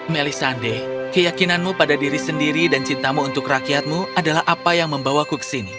melisandeh keyakinanmu pada diri sendiri dan cintamu untuk rakyatmu adalah apa yang membawaku ke sini